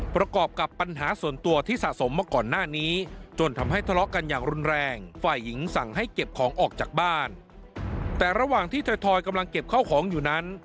ประกอบกับปัญหาส่วนตัวที่สะสมมาก่อนหน้านี้จนทำให้ทะเลาะกันอย่างรุนแรงฝ่ายหญิงสั่งให้เก็บของออกจากบ้านแต่ระหว่างที่ถอยกำลังเก็บข้าวของอยู่นั้น